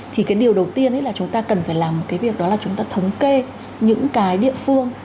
thì cái điều đầu tiên là chúng ta cần phải làm một cái việc đó là chúng ta thống kê những cái địa phương